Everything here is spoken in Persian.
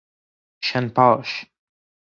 شن پاش